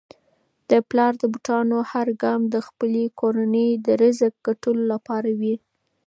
د پلار د بوټانو هر ګام د خپلې کورنی د رزق ګټلو لپاره وي.